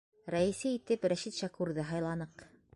Рәйесе итеп Рәшит Шәкүрҙе һайланыҡ.